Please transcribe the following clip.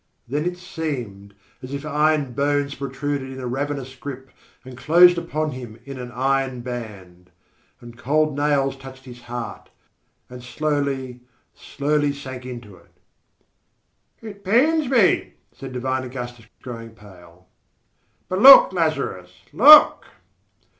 Then it seemed as if iron bones protruded in a ravenous grip, and closed upon him in an iron band; and cold nails touched his heart, and slowly, slowly sank into it. "It pains me," said divine Augustus, growing pale; "but look, Lazarus, look!"